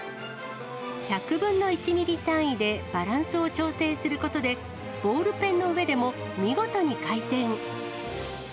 １００分の１ミリ単位でバランスを調整することで、ボールペンの上でも見事に回転。